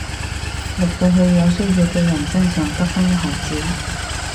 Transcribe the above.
落到去有需要嘅人身上得返一毫子